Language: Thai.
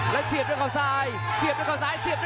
แล้วเสียบด้วยขวาซ้าย